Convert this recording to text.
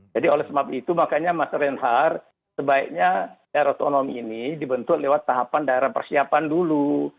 jadi oleh sebab itu makanya mas renhar sebaiknya daerah otonomi ini dibentuk lewat tahapan daerah persiapan dulu